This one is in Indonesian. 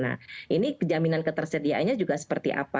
nah ini jaminan ketersediaannya juga seperti apa